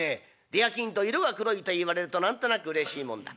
出商人色が黒いと言われると何となくうれしいもんだ。